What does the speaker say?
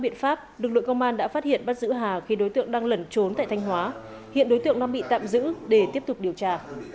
của đại thành hóa hiện đối tượng đang bị tạm giữ để tiếp tục điều tra